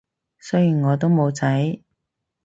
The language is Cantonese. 雖然我都冇仔